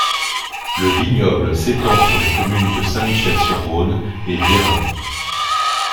Le vignoble s'étend sur les communes de Saint-Michel-sur-Rhône et Vérin.